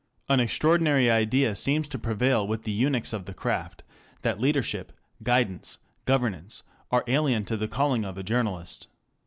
An extraordinary idea seems to prevail with the eunuchs of the craft, that leadership, guidance, governance, are alien to the calling of a journalist.